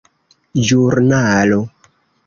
ĵurnalo